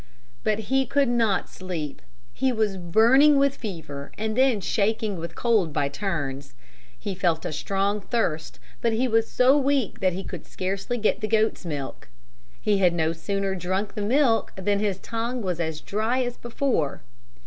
But he could not sleep. He was burning with fever and then shaking with cold by turns. He felt a strong thirst, but he was so weak that he could scarcely get the goat's milk. He had no sooner drunk the milk than his tongue was as dry as before.